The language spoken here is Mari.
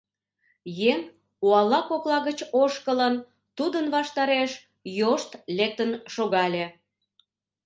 Еҥ, уала кокла гыч ошкылын, тудын ваштареш йошт лектын шогале.